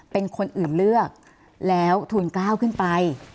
เป็นคนอื่นเลือกแล้วทูลก้าวขึ้นไป